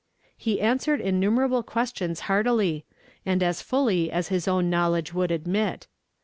He answ^ered innumerable questions heartily, and as fully as 'lis own knowledge Avould admit.